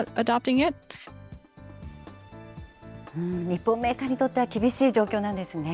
日本メーカーにとっては厳しい状況なんですね。